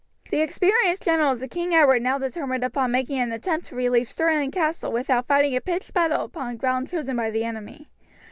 The experienced generals of King Edward now determined upon making an attempt to relieve Stirling Castle without fighting a pitched battle upon ground chosen by the enemy.